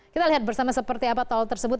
kita lihat bersama seperti apa tol tersebut